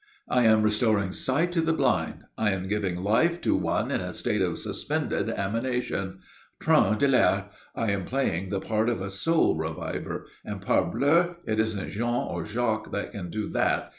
I am restoring sight to the blind. I am giving life to one in a state of suspended animation. Tron de l'Air! I am playing the part of a soul reviver! And, parbleu! it isn't Jean or Jacques that can do that.